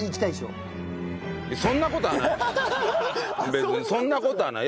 別にそんな事はない。